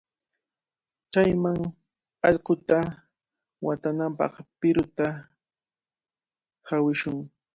Chayman allquta watanapaq qiruta hawishun.